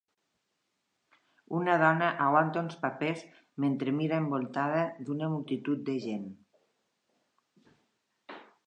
Una dona aguanta uns papers mentre mira envoltada d'una multitud de gent.